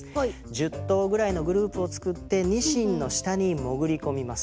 １０頭ぐらいのグループを作ってニシンの下に潜り込みます。